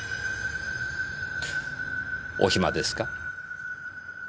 お暇ですか？